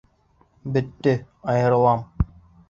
Бөттө, айырылам!